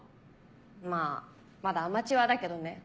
まあまだアマチュアだけどね。